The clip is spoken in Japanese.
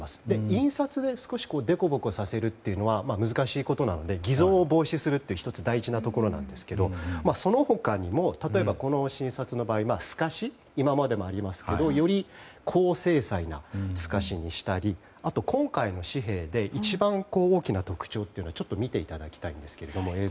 印刷で凸凹させるというのは難しいことなので偽造を防止する１つ大事なところなんですがその他にも、例えばこの新札の場合、透かし今までもありますがより高精細な透かしにしたりあと、今回の紙幣で一番大きな特徴はちょっと映像で見ていただきたいんですけれど。